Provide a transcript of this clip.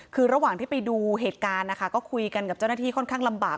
คือระหว่างที่ไปดูเหตุการณ์นะคะก็คุยกันกับเจ้าหน้าที่ค่อนข้างลำบาก